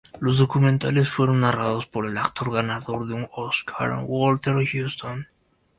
Los documentales fueron narrados por el actor ganador de un Oscar Walter Huston.